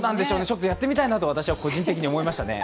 やってみたいなと私は個人的に思いましたね。